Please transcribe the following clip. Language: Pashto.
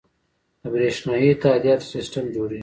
د بریښنایی تادیاتو سیستم جوړیږي